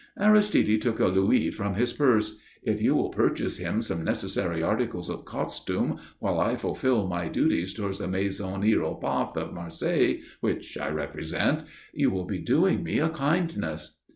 Aristide took a louis from his purse. "If you will purchase him some necessary articles of costume while I fulfil my duties towards the Maison Hiéropath of Marseilles, which I represent, you will be doing me a kindness."